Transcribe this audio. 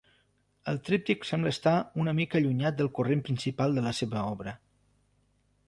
El tríptic sembla estar una mica allunyat del corrent principal de la seva obra.